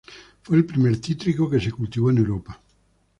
Fue el primer cítrico que se cultivó en Europa.